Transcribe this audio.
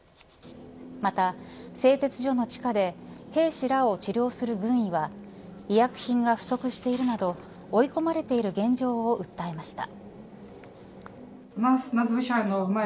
また製鉄所の地下で兵士らを治療する軍医には医薬品が不足しているなど追い込まれている現状を訴えました。